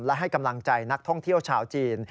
และให้กำลังใจนักท่องเที่ยวชาวจีน